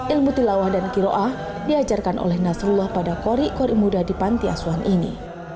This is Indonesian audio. ilmu tilawah dan keroah diajarkan oleh nasrullah pada qori qori muda di pantiaswan ini